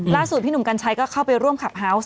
ล่าสุดพี่หนุ่มกันใช้ก็เข้าไปร่วมขับเฮ้าส์